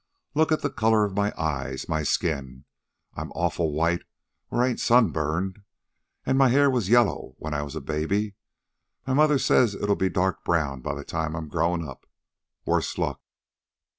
Look at the color of my eyes, my skin. I'm awful white where I ain't sunburned. An' my hair was yellow when I was a baby. My mother says it'll be dark brown by the time I'm grown up, worse luck.